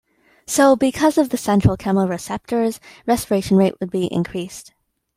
So, because of the central chemoreceptors, respiration rate would be increased.